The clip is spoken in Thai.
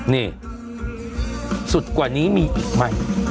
นี่สุดกว่านี้มีอีกไหม